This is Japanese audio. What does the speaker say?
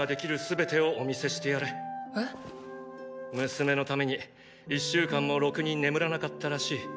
娘のために１週間もろくに眠らなかったらしい。